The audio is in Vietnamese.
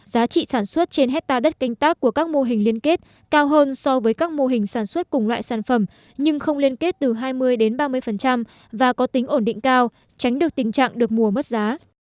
giá trị sản xuất trên hectare đất canh tác của các mô hình liên kết cao hơn so với các mô hình sản xuất cùng loại sản phẩm nhưng không liên kết từ hai mươi đến ba mươi và có tính ổn định cao tránh được tình trạng được mùa mất giá